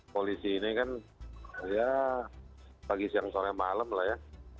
polisi ini kan ya pagi siang sore malam lah ya